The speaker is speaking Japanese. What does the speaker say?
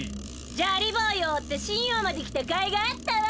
ジャリボーイを追ってシンオウまで来たかいがあったわ。